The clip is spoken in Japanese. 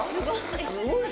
すごい。